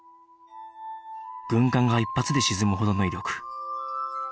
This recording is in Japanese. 軍艦が一発で沈むほどの威力